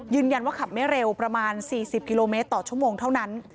ยืนยันว่าขับไม่เร็วประมาณ๔๐กมเมตรต่อชั่วโมงเท่านั้น